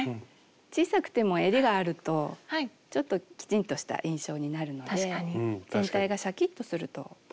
小さくてもえりがあるとちょっときちんとした印象になるので全体がシャキッとすると思います。